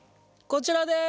こちらです。